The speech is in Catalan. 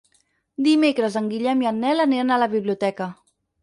Dimecres en Guillem i en Nel aniran a la biblioteca.